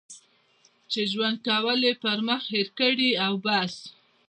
چې ژوند کول یې پر مخ هېر کړي او بس.